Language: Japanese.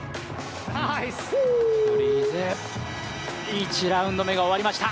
１ラウンド目が終わりました。